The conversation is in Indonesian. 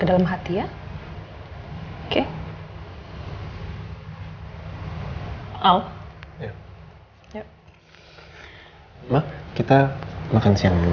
demi mematuhi harapan awam